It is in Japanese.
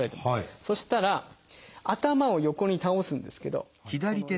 そしたら頭を横に倒すんですけどこのように。